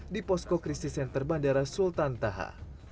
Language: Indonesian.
di posko krisis center bandara sultan taha